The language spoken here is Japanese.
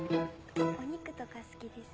お肉とか好きです。